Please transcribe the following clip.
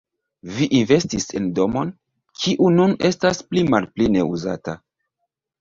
Vi investis en domon, kiu nun estas pli malpli neuzata.